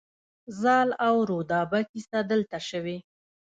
زال او رودابه کیسه دلته شوې